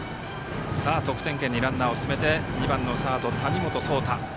得点圏にランナーを進めて２番のサード、谷本颯太。